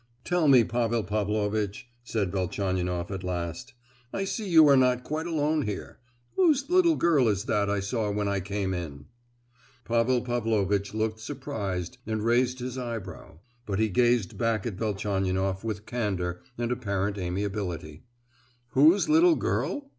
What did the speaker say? "Tell me, Pavel Pavlovitch," said Velchaninoff at last, "—I see you are not quite alone here,—whose little girl is that I saw when I came in?" Pavel Pavlovitch looked surprised and raised his eyebrow; but he gazed back at Velchaninoff with candour and apparent amiability: "Whose little girl?